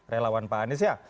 relawan pak anies ya